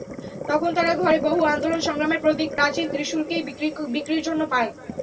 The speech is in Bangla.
তখন তাঁরা ঘরে বহু আন্দোলন সংগ্রামের প্রতীক প্রাচীন ত্রিশূলকেই বিক্রির জন্য পায়।